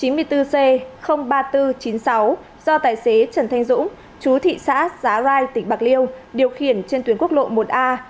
do tài xế trần thanh dũng chú thị xã giá rai tỉnh bạc liêu điều khiển trên tuyến quốc lộ một a